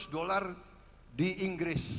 seratus dolar di inggris